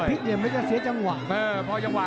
พลิกเหลี่ยมแล้วจะเสียจังหวะ